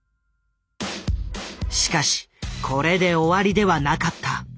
しかしこれで終わりではなかった。